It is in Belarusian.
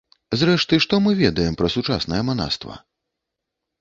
Зрэшты, што мы ведаем пра сучаснае манаства?